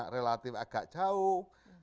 relatif agak jauh